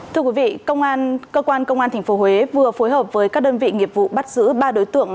thưa quý vị cơ quan công an tp huế vừa phối hợp với các đơn vị nghiệp vụ bắt giữ ba đối tượng